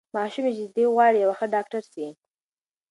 ماشوم وویل چې دی غواړي یو ښه ډاکټر سي.